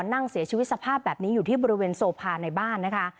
นั่งเสียชีวิตสภาพแบบนี้อยู่ที่บริเวณโซพาในบ้านนะคะ